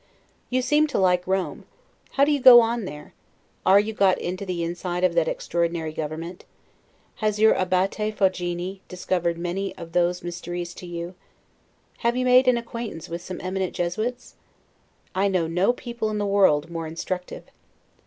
You seem to like Rome. How do you go on there? Are you got into the inside of that extraordinary government? Has your Abbate Foggini discovered many of those mysteries to you? Have you made an acquaintance with some eminent Jesuits? I know no people in the world more instructive.